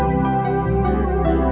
kota ndara jawa tenggara